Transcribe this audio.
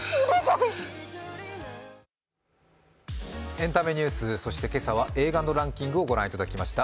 エンタメニュース、そして今朝は映画のランキングをご覧いただきました。